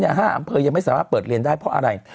๕อำเภอยังไม่สามารถเปิดเรียนได้เพราะอะไร